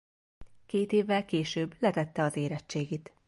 Két évvel később letette az érettségit.